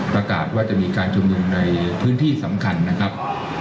ประกาศว่าจะมีการชุมนุมในพื้นที่สำคัญนะครับ